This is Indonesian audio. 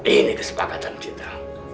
ini kesepakatan kita